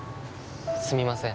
すみません。